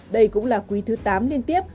đây cũng là quý thứ tám liên tiếp